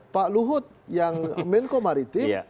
pak luhut yang menko maritim